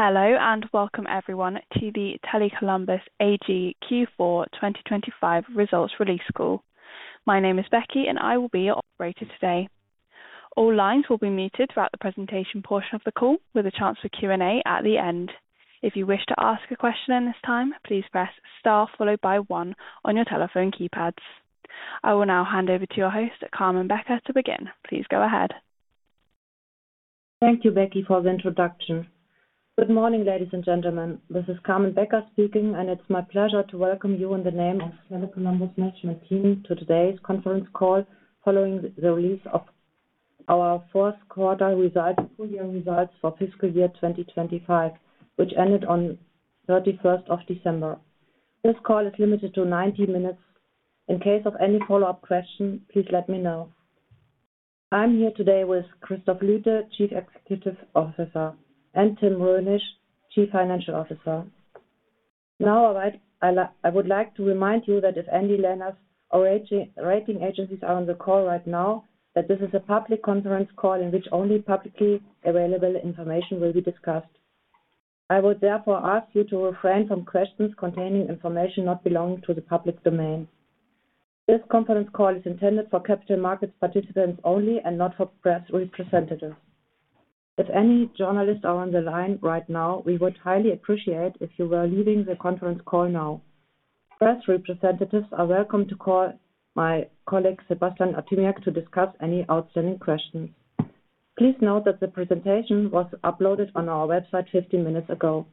Hello, and welcome everyone to the Tele Columbus AG Q4 2025 results release call. My name is Becky and I will be your operator today. All lines will be muted throughout the presentation portion of the call with a chance for Q&A at the end. If you wish to ask a question in this time, please press star followed by one on your telephone keypads. I will now hand over to your host, Carmen Becker, to begin. Please go ahead. Thank you, Becky, for the introduction. Good morning, ladies and gentlemen. This is Carmen Becker speaking, it's my pleasure to welcome you on the name of Tele Columbus management team to today's conference call following the release of our fourth quarter full year results for fiscal year 2025, which ended on 31st of December. This call is limited to 90 minutes. In case of any follow-up question, please let me know. I'm here today with Christoph Lüthe, Chief Executive Officer, and Tim Rhönisch, Chief Financial Officer. Now, I would like to remind you that if any lenders or rating agencies are on the call right now, that this is a public conference call in which only publicly available information will be discussed. I would therefore ask you to refrain from questions containing information not belonging to the public domain. This conference call is intended for capital markets participants only and not for press representatives. If any journalists are on the line right now, we would highly appreciate if you were leaving the conference call now. Press representatives are welcome to call my colleague, Sebastian Artymiak, to discuss any outstanding questions. Please note that the presentation was uploaded on our website 15 minutes ago.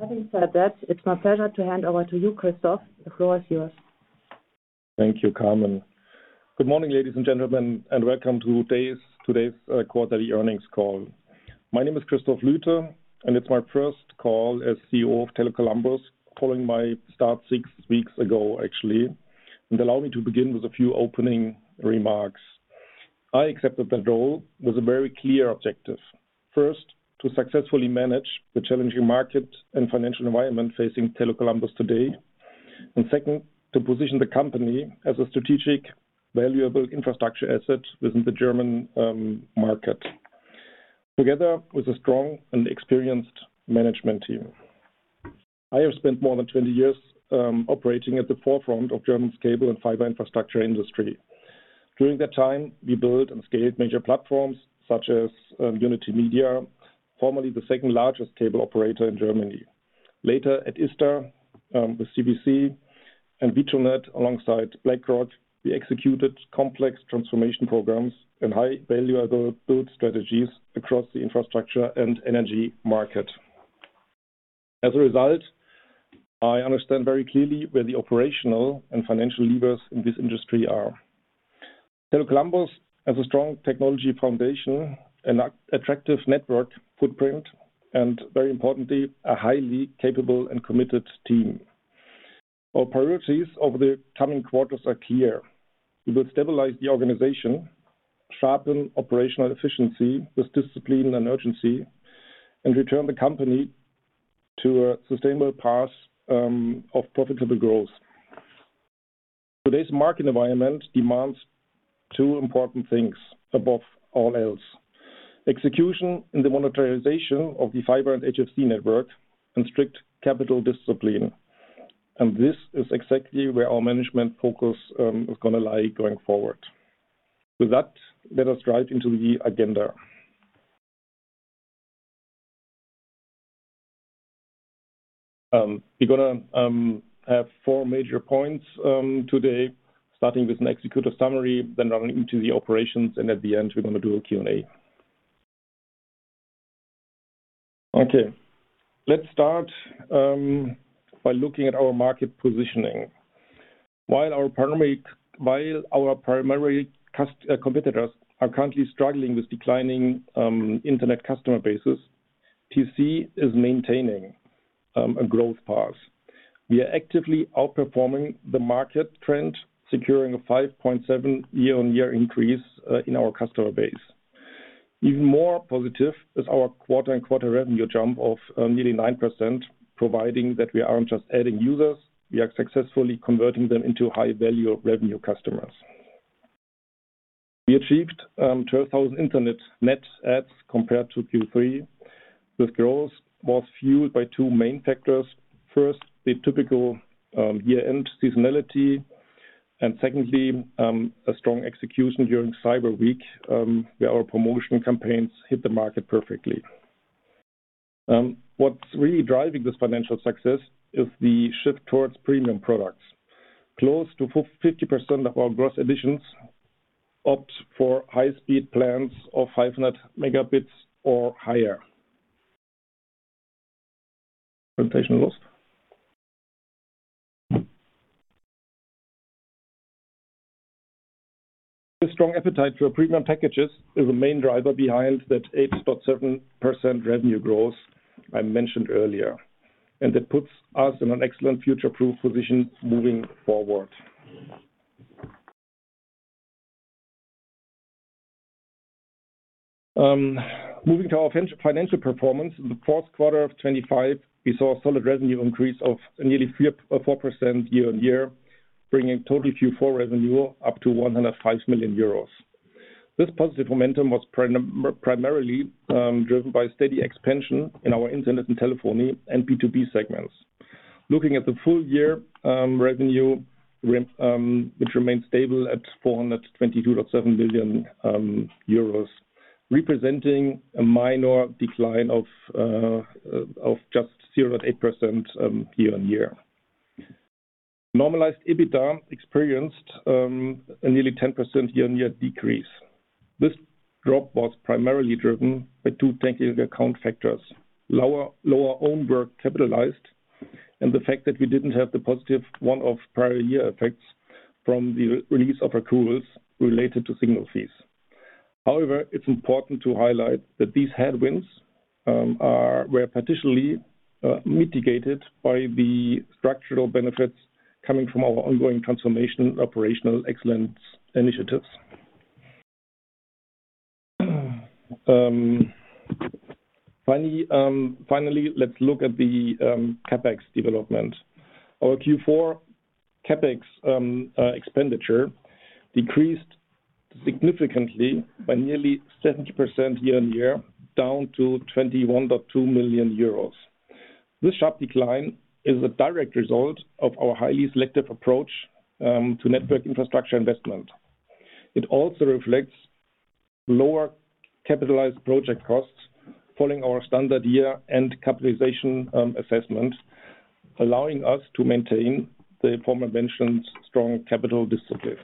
Having said that, it's my pleasure to hand over to you, Christoph. The floor is yours. Thank you, Carmen. Good morning, ladies and gentlemen, and welcome to today's quarterly earnings call. My name is Christoph Lüthe, and it's my first call as CEO of Tele Columbus following my start six weeks ago, actually. Allow me to begin with a few opening remarks. I accepted the role with a very clear objective. First, to successfully manage the challenging market and financial environment facing Tele Columbus today. Second, to position the company as a strategic, valuable infrastructure asset within the German market, together with a strong and experienced management team. I have spent more than 20 years operating at the forefront of Germany's cable and fiber infrastructure industry. During that time, we built and scaled major platforms such as Unitymedia, formerly the second-largest cable operator in Germany. Later at ista, with CVC and vitronet, alongside BlackRock, we executed complex transformation programs and highly valuable build strategies across the infrastructure and energy market. As a result, I understand very clearly where the operational and financial levers in this industry are. Tele Columbus has a strong technology foundation and attractive network footprint, and very importantly, a highly capable and committed team. Our priorities over the coming quarters are clear. We will stabilize the organization, sharpen operational efficiency with discipline and urgency, and return the company to a sustainable path of profitable growth. Today's market environment demands two important things above all else. Execution in the monetization of the fiber and HFC network and strict capital discipline. This is exactly where our management focus is going to lie going forward. With that, let us drive into the agenda. We're going to have four major points today, starting with an executive summary, then running into the operations, and at the end, we're going to do a Q&A. Okay. Let's start by looking at our market positioning. While our primary competitors are currently struggling with declining internet customer bases, TC is maintaining a growth path. We are actively outperforming the market trend, securing a 5.7% year-on-year increase in our customer base. Even more positive is our quarter-on-quarter revenue jump of nearly 9%, providing that we aren't just adding users. We are successfully converting them into high-value revenue customers. We achieved 12,000 internet net adds compared to Q3, with growth was fueled by two main factors. First, the typical year-end seasonality, and secondly, a strong execution during Cyber Week, where our promotional campaigns hit the market perfectly. What's really driving this financial success is the shift towards premium products. Close to 50% of our gross additions opt for high-speed plans of 500 Mb or higher. Presentation lost. The strong appetite for premium packages is the main driver behind that 8.7% revenue growth I mentioned earlier. It puts us in an excellent future-proof position moving forward. Moving to our financial performance. In the fourth quarter of 2025, we saw a solid revenue increase of nearly 4% year-on-year, bringing total Q4 revenue up to 105 million euros. This positive momentum was primarily driven by steady expansion in our internet and telephony and B2B segments. Looking at the full-year revenue, which remains stable at 422.7 million euros, representing a minor decline of just 0.8% year-on-year. Normalized EBITDA experienced a nearly 10% year-on-year decrease. This drop was primarily driven by two accounting factors: lower own work capitalized, and the fact that we didn't have the positive one-off prior year effects from the release of accruals related to signal fees. It's important to highlight that these headwinds were partially mitigated by the structural benefits coming from our ongoing transformation operational excellence initiatives. Let's look at the CapEx development. Our Q4 CapEx expenditure decreased significantly by nearly 70% year-on-year down to 21.2 million euros. This sharp decline is a direct result of our highly selective approach to network infrastructure investment. It also reflects lower capitalized project costs following our standard year-end capitalization assessment, allowing us to maintain the aforementioned strong capital discipline.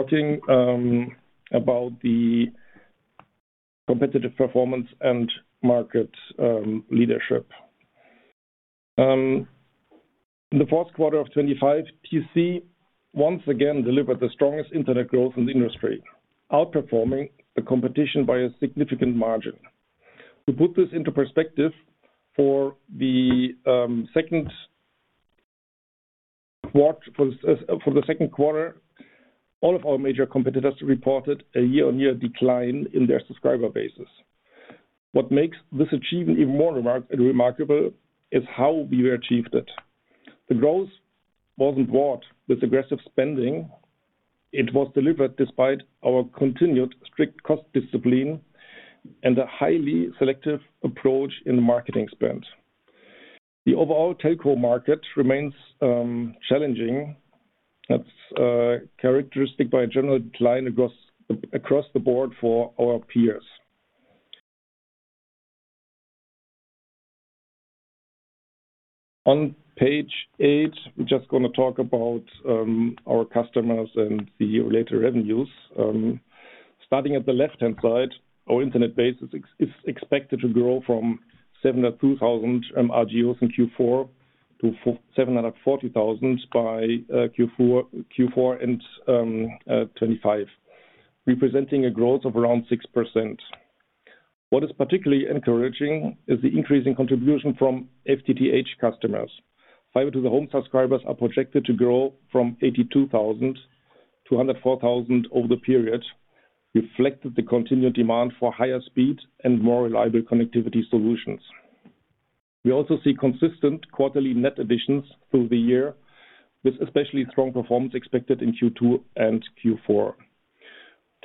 Talking about the competitive performance and market leadership. In the fourth quarter of 2025, TC once again delivered the strongest internet growth in the industry, outperforming the competition by a significant margin. To put this into perspective for the second quarter, all of our major competitors reported a year-on-year decline in their subscriber bases. What makes this achievement even more remarkable is how we achieved it. The growth wasn't bought with aggressive spending. It was delivered despite our continued strict cost discipline and a highly selective approach in the marketing spend. The overall telco market remains challenging. That's characteristic by a general decline across the board for our peers. On page eight, we're just going to talk about our customers and the related revenues. Starting at the left-hand side, our internet base is expected to grow from 702,000 RGUs in Q4 to 740,000 by Q4 in 2025, representing a growth of around 6%. What is particularly encouraging is the increasing contribution from FTTH customers. Fiber to the home subscribers are projected to grow from 82,000 to 104,000 over the period, reflecting the continued demand for higher speed and more reliable connectivity solutions. We also see consistent quarterly net additions through the year, with especially strong performance expected in Q2 and Q4.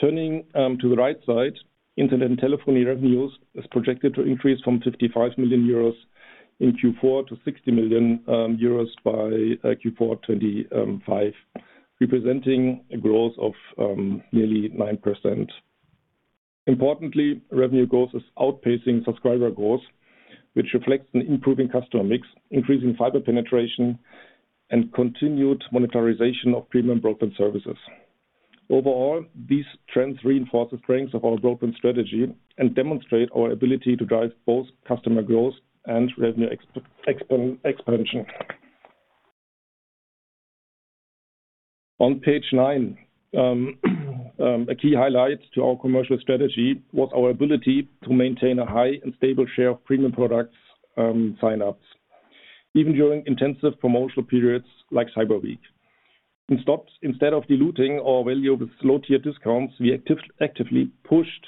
Turning to the right side, internet and telephony revenues is projected to increase from 55 million euros in Q4 to 60 million euros by Q4 2025, representing a growth of nearly 9%. Importantly, revenue growth is outpacing subscriber growth, which reflects an improving customer mix, increasing fiber penetration, and continued monetization of premium broadband services. Overall, these trends reinforce the strengths of our broadband strategy and demonstrate our ability to drive both customer growth and revenue expansion. On page nine, a key highlight to our commercial strategy was our ability to maintain a high and stable share of premium product sign-ups, even during intensive promotional periods like Cyber Week. Instead of diluting our value with low-tier discounts, we actively pushed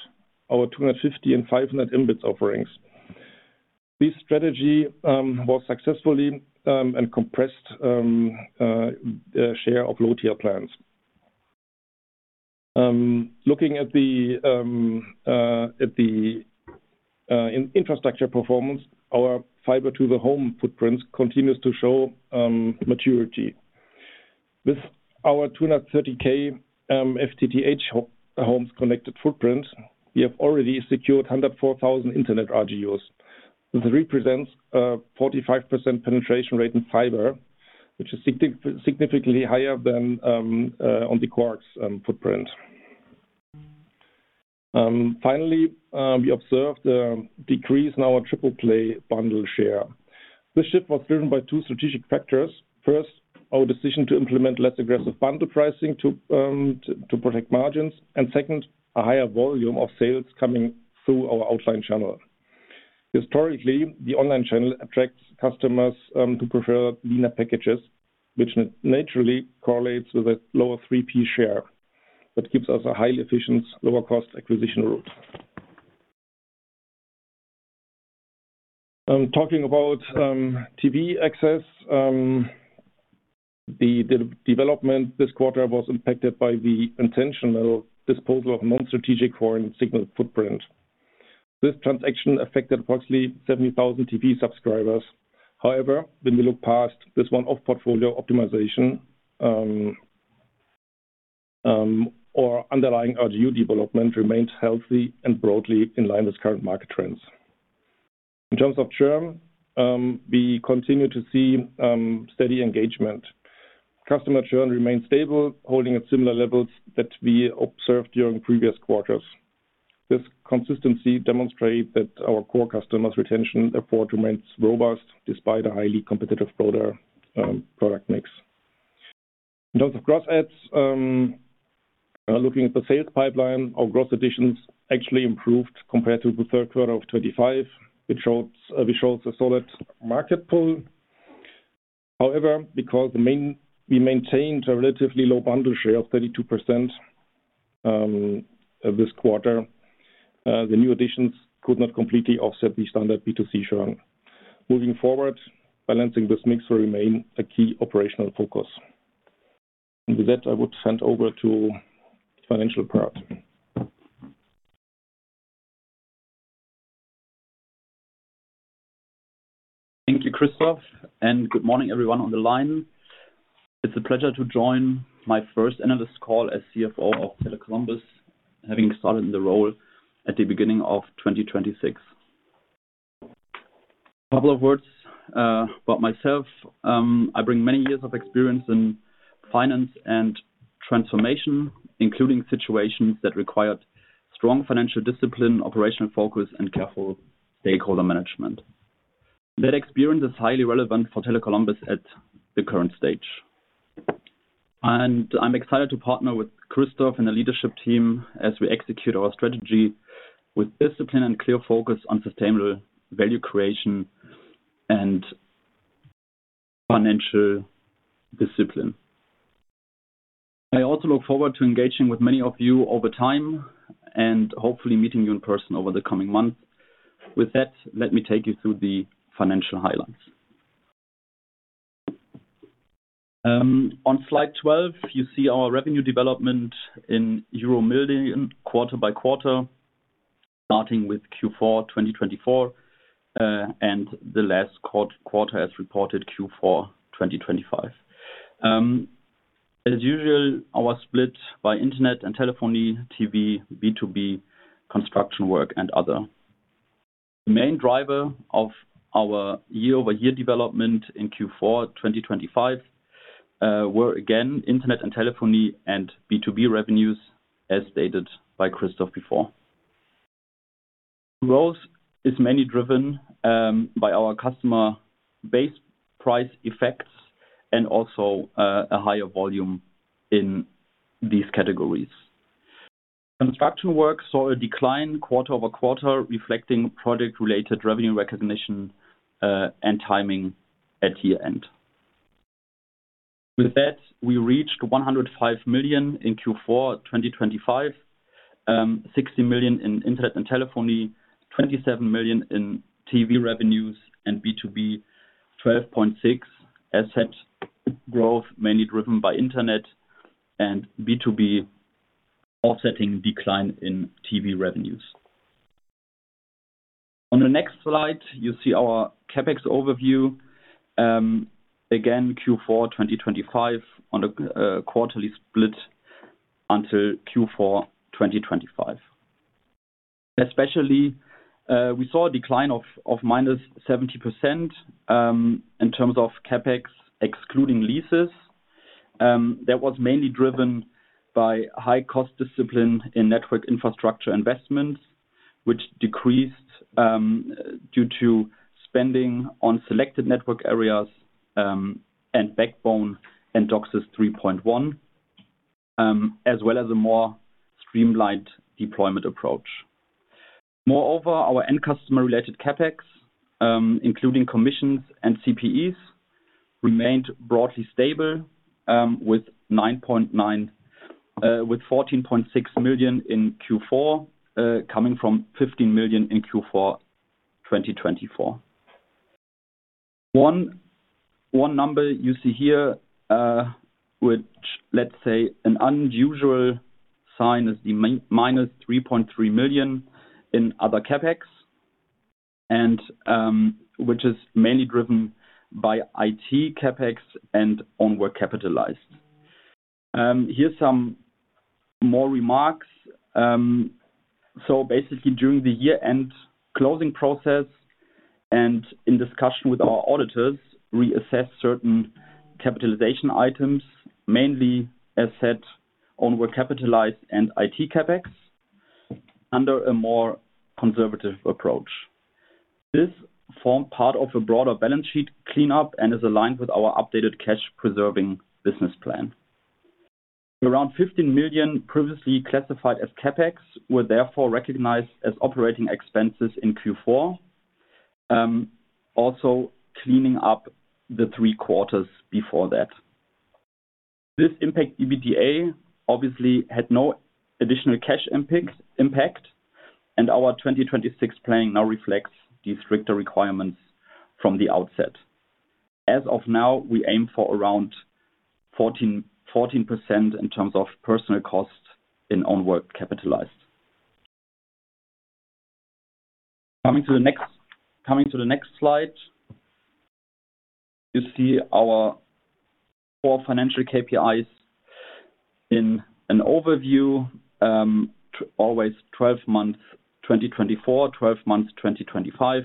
our 250 and 500 Mb offerings. This strategy was successful and compressed the share of low-tier plans. Looking at the infrastructure performance, our fiber to the home footprint continues to show maturity. With our 230,000 FTTH homes connected footprint, we have already secured 104,000 internet RGUs. This represents a 45% penetration rate in fiber, which is significantly higher than on the coax footprint. Finally, we observed a decrease in our triple play bundle share. This shift was driven by two strategic factors. First, our decision to implement less aggressive bundle pricing to protect margins, and second, a higher volume of sales coming through our offline channel. Historically, the online channel attracts customers who prefer leaner packages, which naturally correlates with a lower 3P share. That gives us a highly efficient, lower-cost acquisition route. Talking about TV access. The development this quarter was impacted by the intentional disposal of non-strategic foreign signal footprint. This transaction affected approximately 70,000 TV subscribers. However, when we look past this one-off portfolio optimization, our underlying RGU development remains healthy and broadly in line with current market trends. In terms of churn, we continue to see steady engagement. Customer churn remains stable, holding at similar levels that we observed during previous quarters. This consistency demonstrate that our core customers' retention effort remains robust despite a highly competitive broader product mix. In terms of gross adds, looking at the sales pipeline, our gross additions actually improved compared to the third quarter of 2025, which shows a solid market pull. However, because we maintained a relatively low bundle share of 32% this quarter, the new additions could not completely offset the standard B2C churn. Moving forward, balancing this mix will remain a key operational focus. With that, I would hand over to financial part. Thank you, Christoph, and good morning everyone on the line. It's a pleasure to join my first analyst call as CFO of Tele Columbus, having started in the role at the beginning of 2026. A couple of words about myself. I bring many years of experience in finance and transformation, including situations that required strong financial discipline, operational focus, and careful stakeholder management. That experience is highly relevant for Tele Columbus at the current stage. I'm excited to partner with Christoph and the leadership team as we execute our strategy with discipline and clear focus on sustainable value creation and financial discipline. I also look forward to engaging with many of you over time and hopefully meeting you in person over the coming months. With that, let me take you through the financial highlights. On slide 12, you see our revenue development in euro million quarter-by-quarter, starting with Q4 2024, and the last quarter as reported Q4 2025. As usual, our split by internet and telephony, TV, B2B, construction work, and other. The main driver of our year-over-year development in Q4 2025, were again, internet and telephony and B2B revenues, as stated by Christoph before. Growth is mainly driven by our customer base price effects and also a higher volume in these categories. Construction work saw a decline quarter-over-quarter, reflecting project-related revenue recognition and timing at year-end. With that, we reached 105 million in Q4 2025, 60 million in internet and telephony, 27 million in TV revenues and B2B 12.6 million. Asset growth mainly driven by internet and B2B offsetting decline in TV revenues. On the next slide, you see our CapEx overview. Q4 2025 on a quarterly split until Q4 2025. Especially, we saw a decline of -70% in terms of CapEx excluding leases. That was mainly driven by high cost discipline in network infrastructure investments, which decreased due to spending on selected network areas, and backbone and DOCSIS 3.1, as well as a more streamlined deployment approach. Moreover, our end-customer related CapEx, including commissions and CPEs, remained broadly stable, with 14.6 million in Q4, coming from 15 million in Q4 2024. One number you see here, which let's say an unusual sign, is the -3.3 million in other CapEx, which is mainly driven by IT CapEx and own work capitalized. Here's some more remarks. Basically, during the year-end closing process and in discussion with our auditors, we assessed certain capitalization items, mainly asset own work capitalized and IT CapEx, under a more conservative approach. This formed part of a broader balance sheet cleanup and is aligned with our updated cash preserving business plan. Around 15 million previously classified as CapEx were therefore recognized as operating expenses in Q4, also cleaning up the three quarters before that. This impact EBITDA obviously had no additional cash impact. Our 2026 planning now reflects the stricter requirements from the outset. As of now, we aim for around 14% in terms of personnel costs in own work capitalized. Coming to the next slide, you see our four financial KPIs in an overview. Always 12 months 2024, 12 months 2025.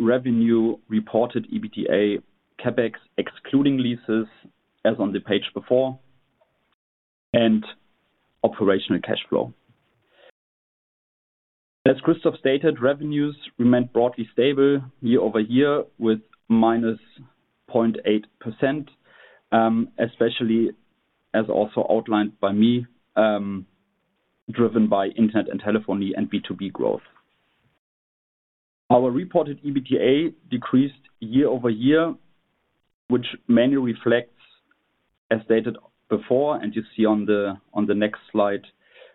Revenue reported EBITDA, CapEx, excluding leases as on the page before, and operational cash flow. As Christoph stated, revenues remained broadly stable year-over-year with -0.8%, especially as also outlined by me, driven by internet and telephony and B2B growth. Our reported EBITDA decreased year-over-year, which mainly reflects, as stated before, and you see on the next slide.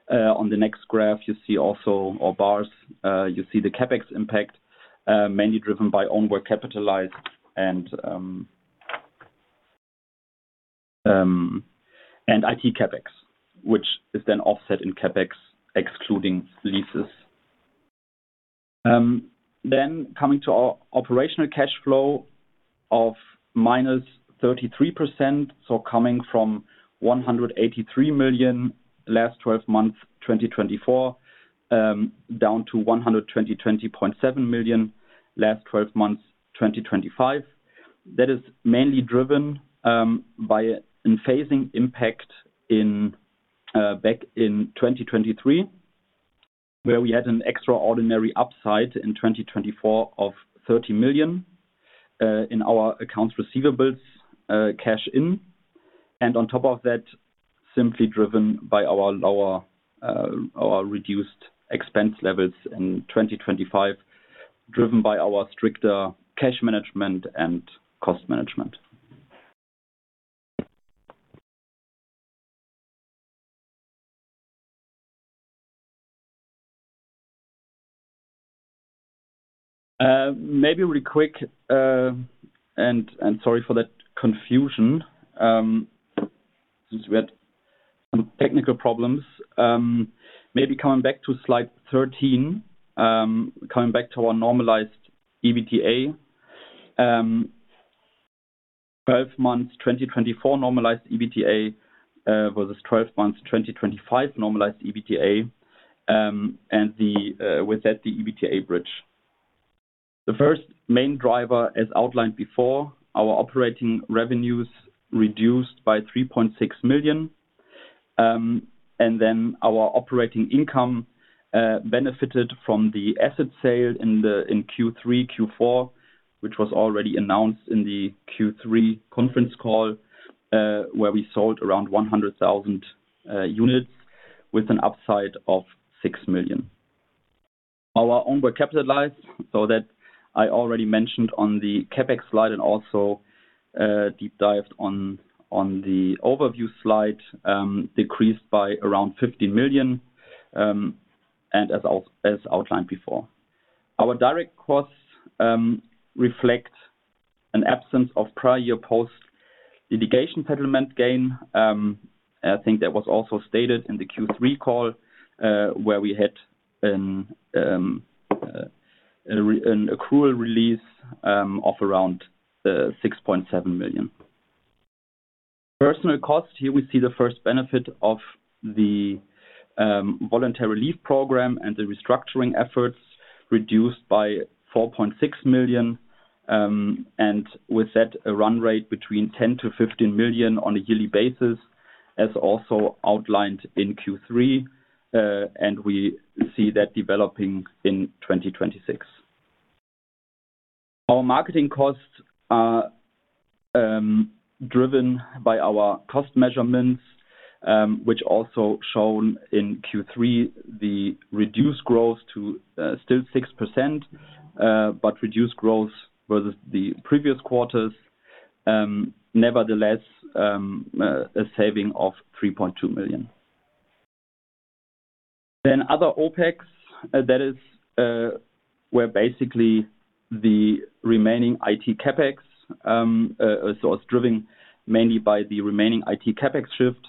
On the next graph you see also our bars. You see the CapEx impact, mainly driven by own work capitalized and IT CapEx, which is then offset in CapEx, excluding leases. Coming to our operational cash flow of -33%. Coming from 183 million last 12 months, 2024, down to 120.7 million last 12 months 2025. That is mainly driven by a phasing impact back in 2023, where we had an extraordinary upside in 2024 of 30 million in our accounts receivables cash in. On top of that, simply driven by our reduced expense levels in 2025, driven by our stricter cash management and cost management. Maybe really quick, and sorry for that confusion, since we had some technical problems. Coming back to slide 13, coming back to our normalized EBITDA. 12 months 2024 normalized EBITDA versus 12 months 2025 normalized EBITDA, with that the EBITDA bridge. The first main driver, as outlined before, our operating revenues reduced by 3.6 million. Our operating income benefited from the asset sale in Q3, Q4, which was already announced in the Q3 conference call. Where we sold around 100,000 units with an upside of 6 million. Our own work capitalized, that I already mentioned on the CapEx slide and also deep dived on the overview slide, decreased by around 50 million, as outlined before. Our direct costs reflect an absence of prior year post litigation settlement gain. I think that was also stated in the Q3 call, where we had an accrual release of around 6.7 million. Personnel costs. Here we see the first benefit of the voluntary leave program and the restructuring efforts reduced by 4.6 million, with that, a run rate between 10 million-15 million on a yearly basis, as also outlined in Q3. We see that developing in 2026. Our marketing costs are driven by our cost measurements, which also shown in Q3, the reduced growth to still 6%, but reduced growth versus the previous quarters. Nevertheless, a saving of 3.2 million. Other OpEx. That is where basically the remaining IT CapEx, so it's driven mainly by the remaining IT CapEx shift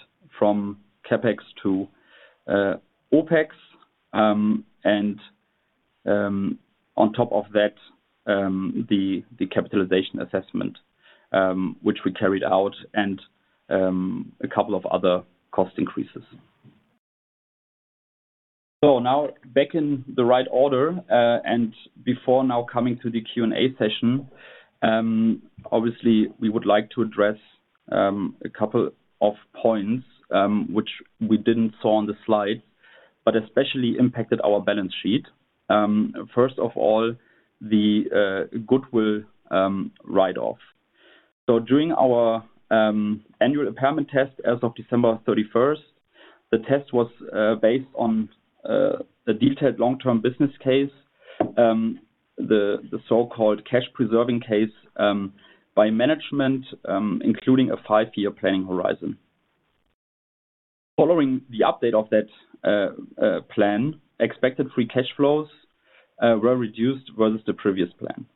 from CapEx to OpEx. On top of that, the capitalization assessment, which we carried out and a couple of other cost increases. Now back in the right order, and before now coming to the Q&A session. Obviously we would like to address a couple of points, which we didn't see on the slide, but especially impacted our balance sheet. First of all, the goodwill write-off. During our annual impairment test, as of December 31st. The test was based on a detailed long-term business case, the so-called cash preserving case, by management, including a five year planning horizon. Following the update of that plan, expected free cash flows were reduced versus the previous plan.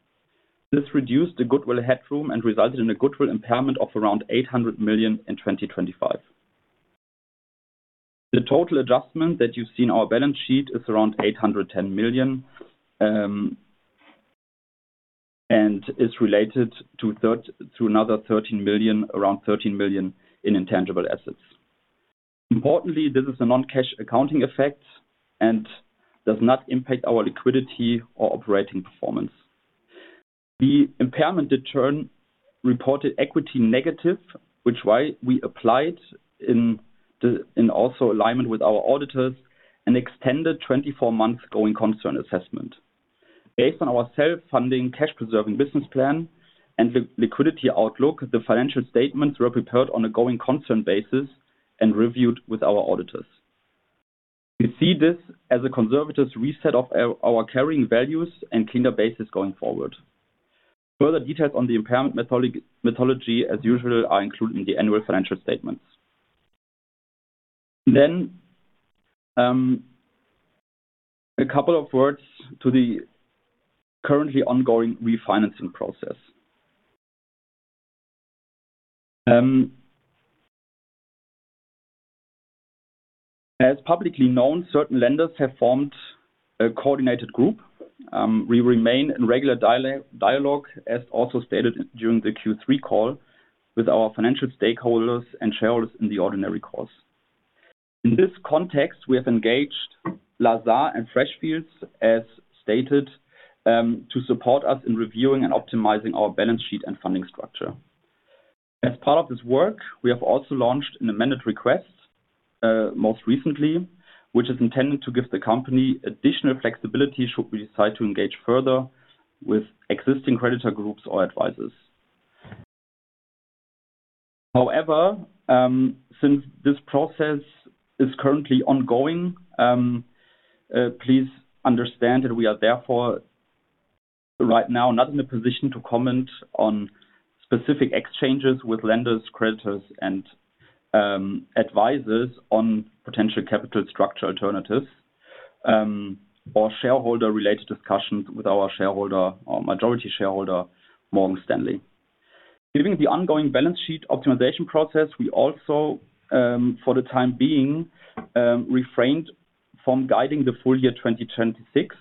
This reduced the goodwill headroom and resulted in a goodwill impairment of around 800 million in 2025. The total adjustment that you see in our balance sheet is around 810 million, and is related to another around 13 million in intangible assets. Importantly, this is a non-cash accounting effect and does not impact our liquidity or operating performance. The impairment return reported equity negative, which is why we applied in also alignment with our auditors, an extended 24-month going concern assessment. Based on our self-funding cash preserving business plan and liquidity outlook, the financial statements were prepared on a going concern basis and reviewed with our auditors. We see this as a conservative reset of our carrying values and cleaner basis going forward. Further details on the impairment methodology, as usual, are included in the annual financial statements. A couple of words to the currently ongoing refinancing process. As publicly known, certain lenders have formed a coordinated group. We remain in regular dialogue, as also stated during the Q3 call, with our financial stakeholders and shareholders in the ordinary course. In this context, we have engaged Lazard and Freshfields, as stated, to support us in reviewing and optimizing our balance sheet and funding structure. As part of this work, we have also launched an amended request most recently, which is intended to give the company additional flexibility should we decide to engage further with existing creditor groups or advisors. Since this process is currently ongoing, please understand that we are therefore right now not in a position to comment on specific exchanges with lenders, creditors, and advisors on potential capital structure alternatives, or shareholder-related discussions with our majority shareholder, Morgan Stanley. Given the ongoing balance sheet optimization process, we also, for the time being, refrained from guiding the full year 2026.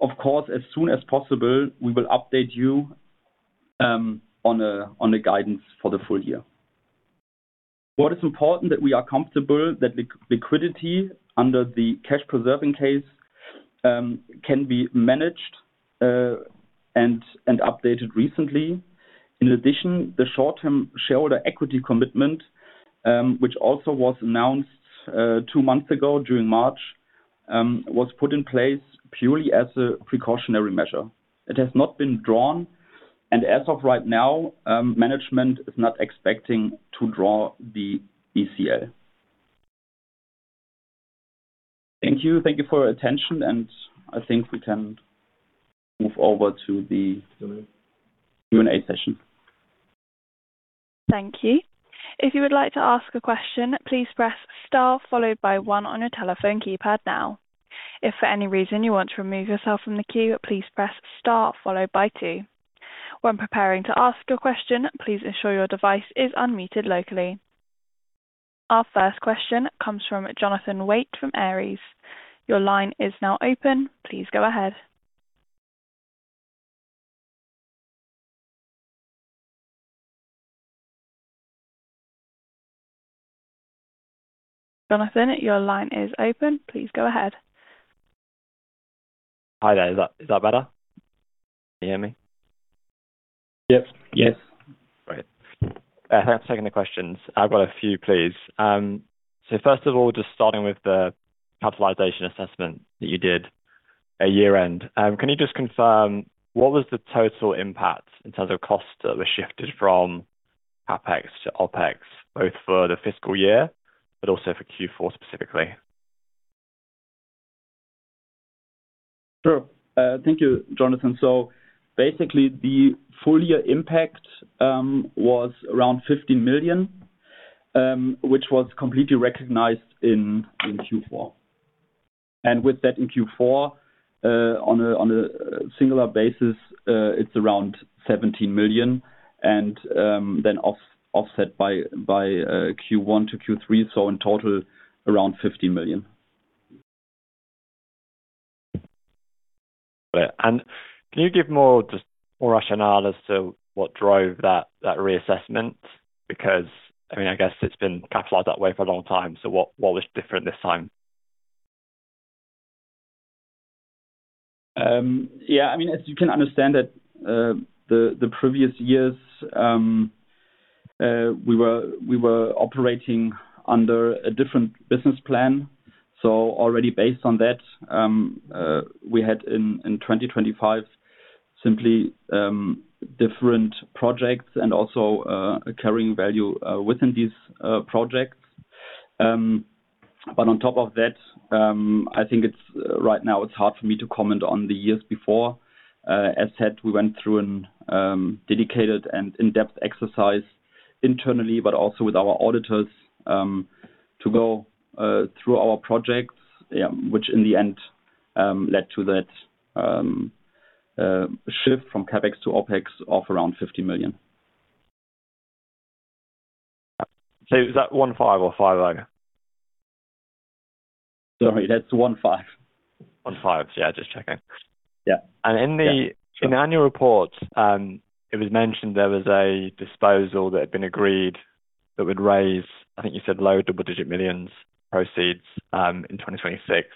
Of course, as soon as possible, we will update you on the guidance for the full year. What is important that we are comfortable that the liquidity under the cash preserving case can be managed and updated recently. In addition, the short-term shareholder equity commitment, which also was announced two months ago during March, was put in place purely as a precautionary measure. It has not been drawn, and as of right now, management is not expecting to draw the ECL. Thank you. Thank you for your attention. I think we can move over to the Q&A session. Thank you. If you would like a question please press star followed by one on your telephone keypad now. If for any reason you want to remove yourself from the queue, please press star followed by two. When preparing to ask your question please ensure your device is unmuted locally. Our first question comes from Jonathan Waite from Ares. Your line is now open. Please go ahead. Jonathan, your line is open. Please go ahead. Hi there. Is that better? Can you hear me? Yes. Great. Thanks for taking the questions. I've got a few, please. First of all, just starting with the capitalization assessment that you did at year-end. Can you just confirm what was the total impact in terms of costs that were shifted from CapEx to OpEx, both for the fiscal year but also for Q4 specifically? Sure. Thank you, Jonathan. Basically, the full year impact was around 50 million, which was completely recognized in Q4. With that, in Q4, on a singular basis, it is around 17 million and then offset by Q1 to Q3, so in total, around 50 million. Great. Can you give more rationale as to what drove that reassessment? I guess it's been capitalized that way for a long time, so what was different this time? Yeah. As you can understand it, the previous years we were operating under a different business plan. Already based on that, we had in 2025 simply different projects and also carrying value within these projects. On top of that, I think right now it's hard for me to comment on the years before. As said, we went through a dedicated and in-depth exercise internally, but also with our auditors, to go through our projects, which in the end led to that shift from CapEx to OpEx of around 50 million. Is that 15 or 50? Sorry, that's 15. 15. Yeah, just checking. Yeah. In the annual report, it was mentioned there was a disposal that had been agreed that would raise, I think you said low double-digit millions proceeds in 2026.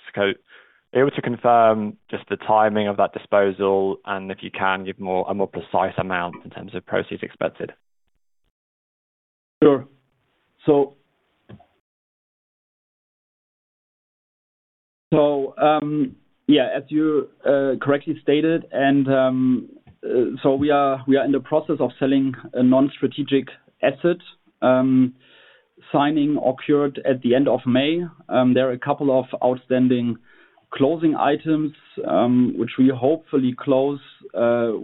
Able to confirm just the timing of that disposal, and if you can, give a more precise amount in terms of proceeds expected? As you correctly stated, we are in the process of selling a non-strategic asset. Signing occurred at the end of May. There are a couple of outstanding closing items which we hopefully close,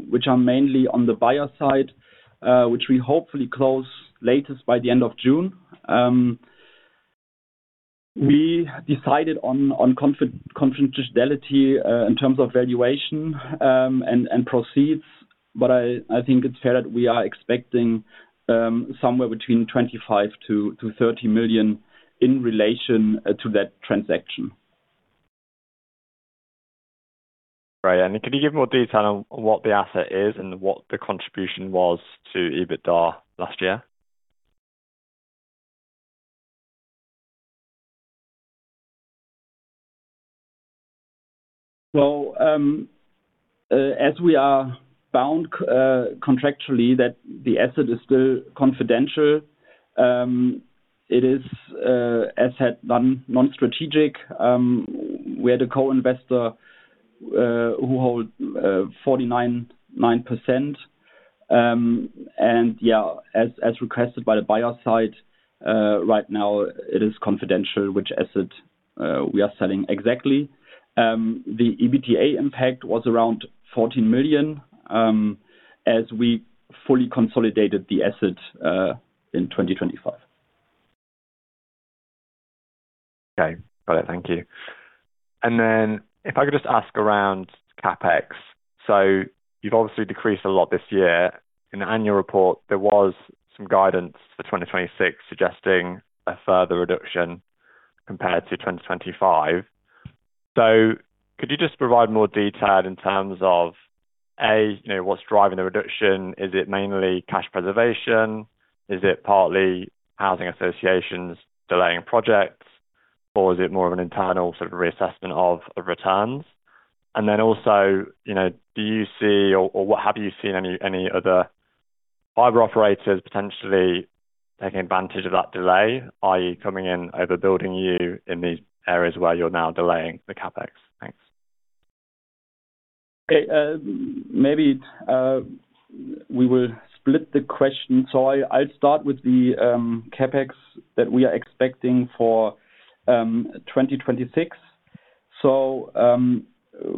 which are mainly on the buyer side, which we hopefully close latest by the end of June. We decided on confidentiality in terms of valuation and proceeds, but I think it's fair that we are expecting somewhere between 25 million-30 million in relation to that transaction. Right. Could you give more detail on what the asset is and what the contribution was to EBITDA last year? Well, as we are bound contractually that the asset is still confidential, it is, as said, non-strategic. We had a co-investor who holds 49.9%. Yeah, as requested by the buyer side, right now it is confidential which asset we are selling exactly. The EBITDA impact was around 14 million, as we fully consolidated the asset in 2025. Okay. Got it. Thank you. If I could just ask around CapEx. You've obviously decreased a lot this year. In the annual report, there was some guidance for 2026 suggesting a further reduction compared to 2025. Could you just provide more detail in terms of, A, what's driving the reduction? Is it mainly cash preservation? Is it partly housing associations delaying projects, or is it more of an internal reassessment of returns? Do you see or have you seen any other fiber operators potentially taking advantage of that delay, i.e., coming in overbuilding you in these areas where you're now delaying the CapEx? Thanks. Okay. Maybe we will split the question. I'll start with the CapEx that we are expecting for 2026.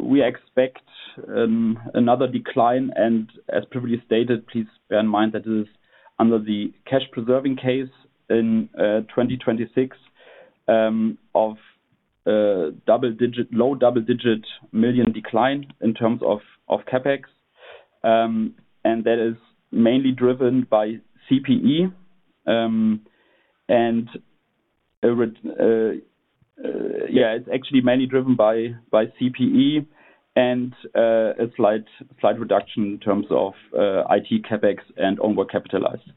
We expect another decline, and as previously stated, please bear in mind that it is under the cash preserving case in 2026 of low double-digit million decline in terms of CapEx. That is mainly driven by CPE, it's actually mainly driven by CPE and a slight reduction in terms of IT CapEx and own work capitalized.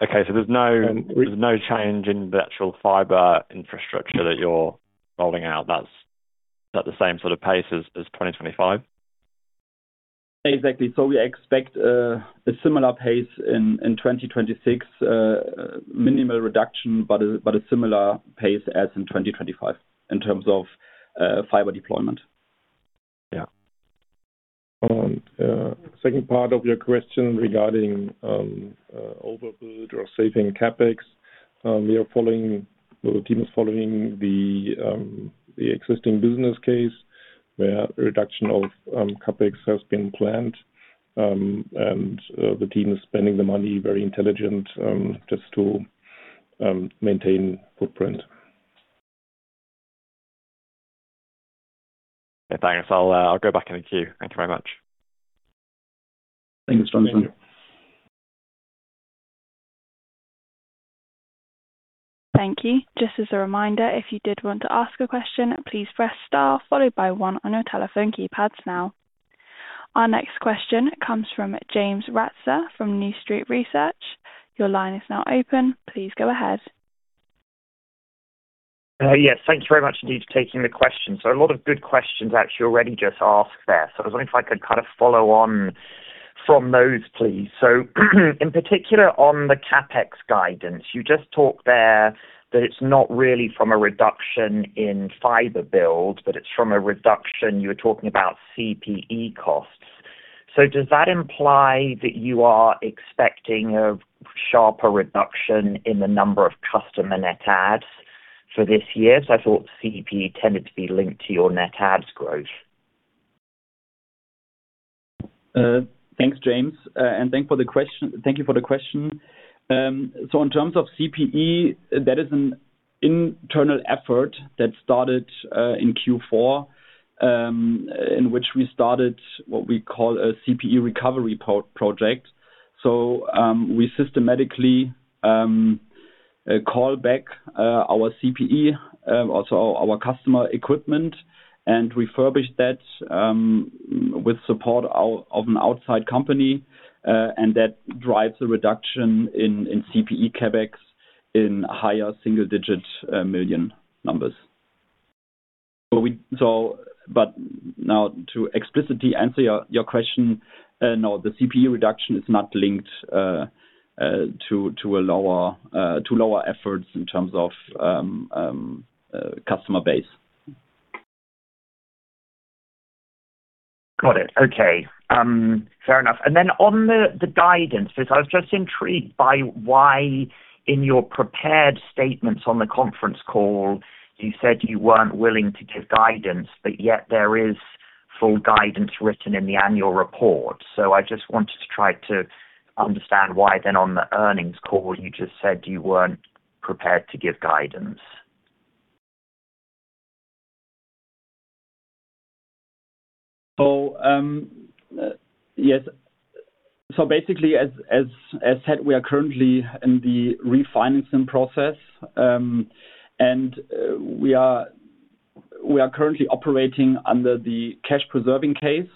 There's no change in the actual fiber infrastructure that you're rolling out, that's at the same pace as 2025? Exactly. We expect a similar pace in 2026. A minimal reduction, but a similar pace as in 2025 in terms of fiber deployment. Yeah. Second part of your question regarding overbuild or saving CapEx. The team is following the existing business case where reduction of CapEx has been planned, and the team is spending the money very intelligent, just to maintain footprint. Okay, thanks. I'll go back in the queue. Thank you very much. Thanks, Jonathan. Thank you. Just as a reminder, if you did want to ask a question, please press star followed by one on your telephone keypads now. Our next question comes from James Ratzer from New Street Research. Your line is now open. Please go ahead. Yes, thank you very much indeed for taking the call. A lot of good questions actually already just asked there. I was wondering if I could follow on from those, please. In particular, on the CapEx guidance, you just talked there that it's not really from a reduction in fiber build, but it's from a reduction, you were talking about CPE costs. Does that imply that you are expecting a sharper reduction in the number of customer net adds for this year? I thought CPE tended to be linked to your net adds growth. Thanks, James. Thank you for the question. In terms of CPE, that is an internal effort that started in Q4, in which we started what we call a CPE recovery project. We systematically call back our CPE, also our customer equipment, and refurbish that with support of an outside company. That drives a reduction in CPE CapEx in higher single-digit million numbers. Now to explicitly answer your question, no, the CPE reduction is not linked to lower efforts in terms of customer base. Got it. Okay. Fair enough. On the guidance, because I was just intrigued by why in your prepared statements on the conference call, you said you weren't willing to give guidance, but yet there is full guidance written in the annual report. I just wanted to try to understand why then on the earnings call, you just said you weren't prepared to give guidance. Yes. Basically as said, we are currently in the refinancing process. We are currently operating under the cash preserving case,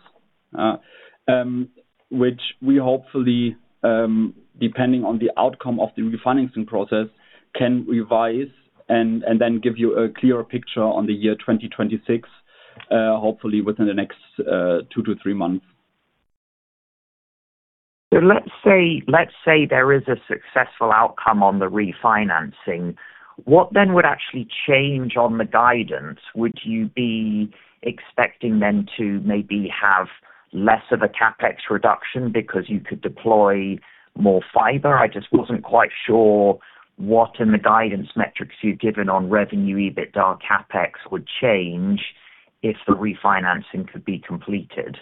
which we hopefully, depending on the outcome of the refinancing process, can revise and then give you a clearer picture on the year 2026, hopefully within the next two to three months. Let's say there is a successful outcome on the refinancing. What then would actually change on the guidance? Would you be expecting then to maybe have less of a CapEx reduction because you could deploy more fiber? I just wasn't quite sure what in the guidance metrics you'd given on revenue EBITDA CapEx would change if the refinancing could be completed.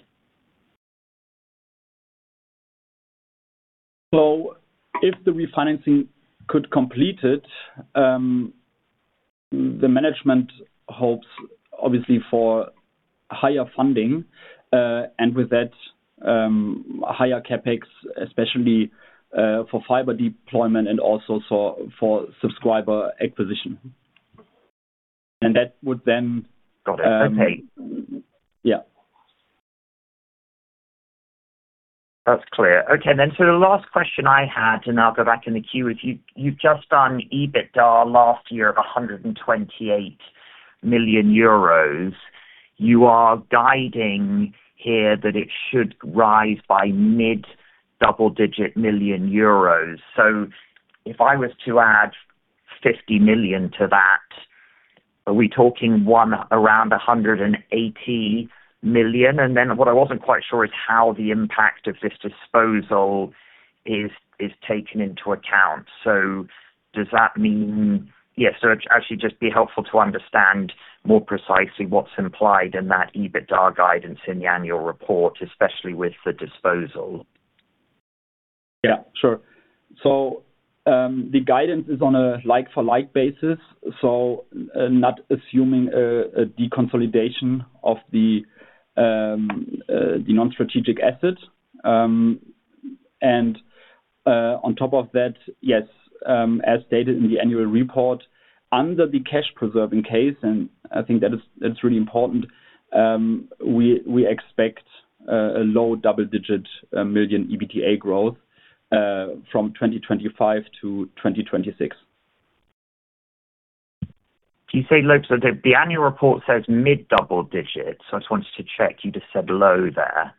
If the refinancing could completed, the management hopes obviously for higher funding, and with that, higher CapEx, especially, for fiber deployment and also for subscriber acquisition. Got it. Okay. Yeah. That's clear. Okay. The last question I had, and I'll go back in the queue, if you've just done EBITDA last year of 128 million euros, you are guiding here that it should rise by mid-double digit million euros. If I was to add 50 million to that, are we talking around 180 million? What I wasn't quite sure is how the impact of this disposal is taken into account. Does that mean? Yeah. Actually just be helpful to understand more precisely what's implied in that EBITDA guidance in the annual report, especially with the disposal. Yeah, sure. The guidance is on a like-for-like basis, not assuming a deconsolidation of the non-strategic asset. On top of that, yes, as stated in the annual report, under the cash preserving case, and I think that's really important, we expect a low double-digit million EBITDA growth from 2025 to 2026. You say low. The annual report says mid double-digits. I just wanted to check, you just said low there.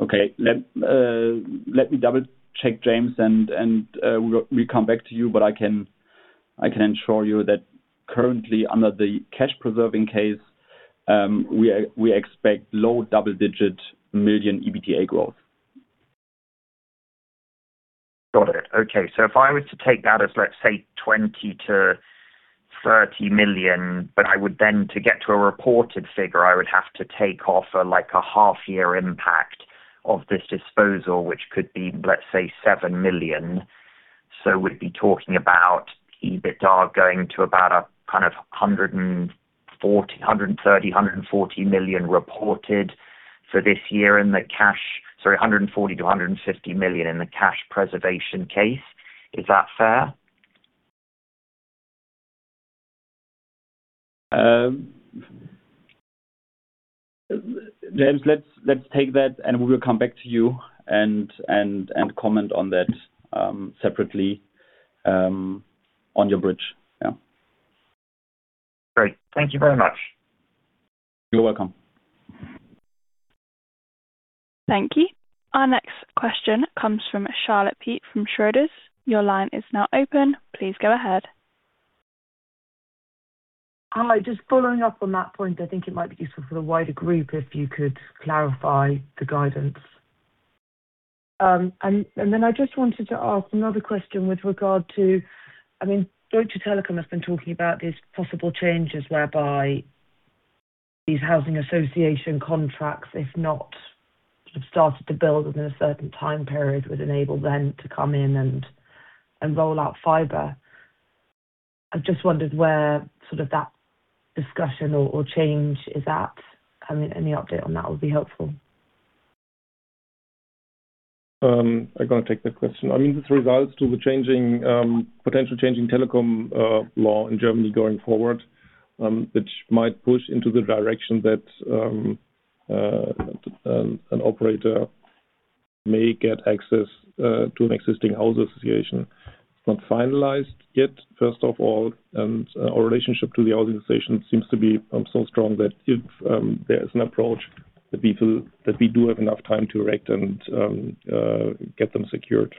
Okay. Let me double check, James, and we'll come back to you, but I can assure you that currently under the cash preserving case, we expect low double-digit million EBITDA growth. Got it. Okay. If I were to take that as, let's say, 20 million-30 million, but I would then to get to a reported figure, I would have to take off a half year impact of this disposal, which could be, let's say, 7 million. We'd be talking about EBITDA going to about 140 million, 130 million, 140 million reported for this year in the cash. Sorry, 140 million-150 million in the cash preservation case. Is that fair? James, let's take that, and we will come back to you and comment on that separately on your bridge. Yeah. Great. Thank you very much. You're welcome. Thank you. Our next question comes from Charlotte Peat from Schroders. Your line is now open. Please go ahead. Hi, just following up on that point, I think it might be useful for the wider group if you could clarify the guidance. I just wanted to ask another question with regard to, Deutsche Telekom has been talking about these possible changes whereby these housing association contracts, if not, sort of started to build within a certain time period, would enable them to come in and roll out fiber. I just wondered where that discussion or change is at. Any update on that would be helpful. I'm going to take that question. This relates to the potential changing telecom law in Germany going forward, which might push into the direction that an operator may get access to an existing house association. It's not finalized yet, first of all, and our relationship to the house association seems to be so strong that if there is an approach, that we do have enough time to erect and get them secured.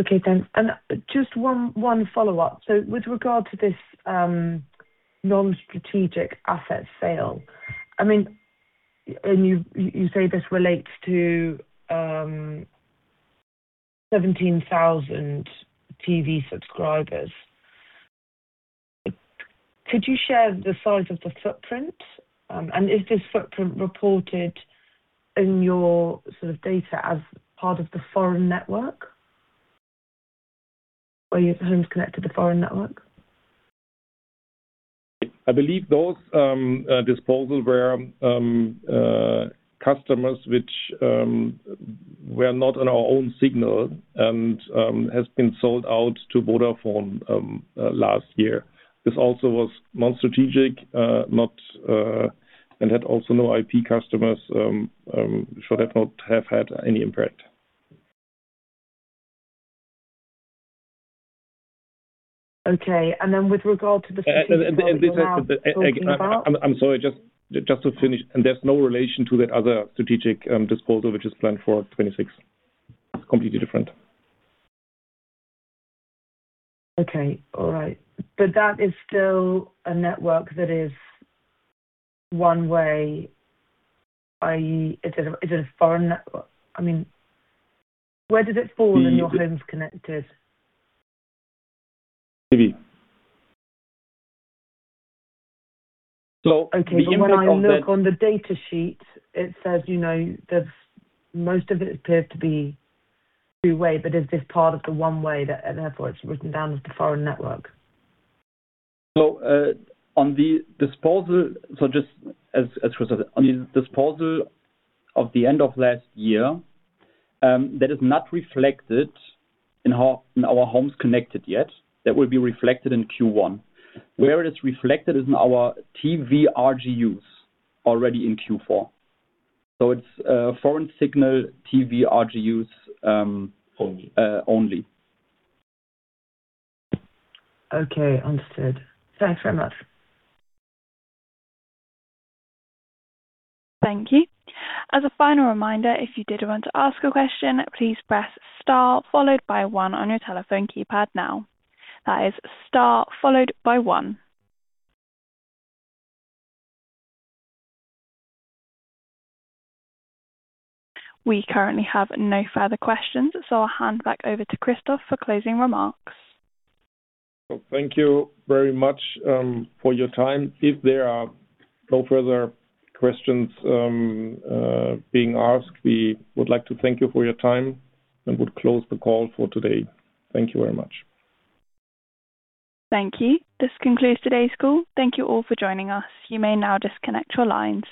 Okay, thanks. Just one follow-up. With regard to this non-strategic asset sale. You say this relates to 17,000 TV subscribers. Could you share the size of the footprint? Is this footprint reported in your data as part of the foreign network? Your homes connected to foreign network? I believe those disposals were customers which were not on our own signal and has been sold out to Vodafone last year. This also was non-strategic and had also no IP customers, should have not have had any impact. Okay. Then with regard to the strategic one. I'm sorry. Just to finish. There's no relation to that other strategic disposal, which is planned for 2026. It's completely different. Okay. All right. That is still a network that is one way, i.e., is it a foreign network? Where does it fall in your homes connected? TV. Okay. When I look on the data sheet, it says that most of it appears to be two way, but is this part of the one way and therefore it's written down as the foreign network? On the disposal of the end of last year, that is not reflected in our homes connected yet. That will be reflected in Q1. Where it is reflected is in our TV RGUs already in Q4. It's foreign signal TV RGUs. Only. Only. Okay. Understood. Thanks very much. Thank you. As a final reminder, if you did want to ask a question, please press star followed by one on your telephone keypad now. That is star followed by one. We currently have no further questions, I'll hand back over to Christoph for closing remarks. Thank you very much for your time. If there are no further questions being asked, we would like to thank you for your time and would close the call for today. Thank you very much. Thank you. This concludes today's call. Thank you all for joining us. You may now disconnect your lines.